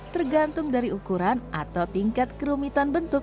tergantung dari ukuran atau tingkat kerumitan bentuk